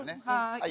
はい。